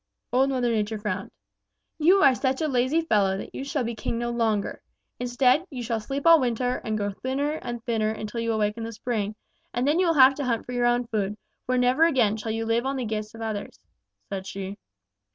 "Old Mother Nature frowned. 'You are such a lazy fellow that you shall be king no longer. Instead, you shall sleep all winter and grow thin and thinner till you awake in the spring, and then you will have to hunt for your own food, for never again shall you live on the gifts of others,' said she.